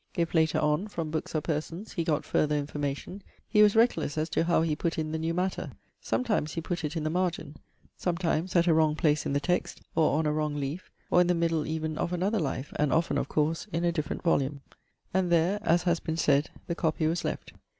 If later on, from books or persons, he got further information, he was reckless as to how he put in the new matter: sometimes he put it in the margin, sometimes at a wrong place in the text, or on a wrong leaf, or in the middle even of another life, and often, of course, in a different volume. And there, as has been said, the copy was left.